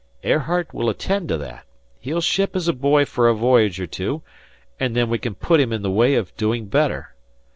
"Airheart will attend to that. He'll ship as boy for a voyage or two, and then we can put him in the way of doing better.